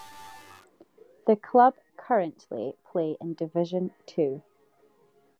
The club currently play in Division Two.